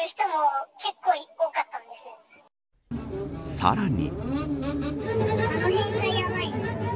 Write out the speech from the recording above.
さらに。